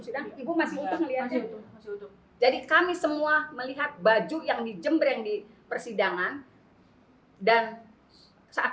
sidang ibu masih butuh melihat jadi kami semua melihat baju yang dijembreng di persidangan dan saat